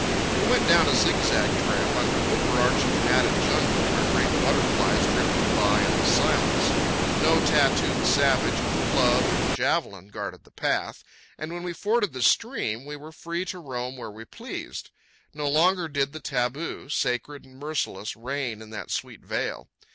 We went down a zigzag trail under overarching, matted jungle, where great butterflies drifted by in the silence. No tattooed savage with club and javelin guarded the path; and when we forded the stream, we were free to roam where we pleased. No longer did the taboo, sacred and merciless, reign in that sweet vale.